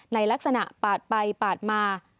ในลักษณะปาดไปปาดมา